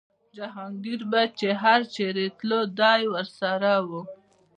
جهانګیر به چې هر چېرې تللو دی ورسره و.